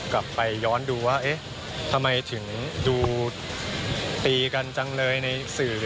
กลับไปย้อนดูว่าเอ๊ะทำไมถึงดูตีกันจังเลยในสื่อ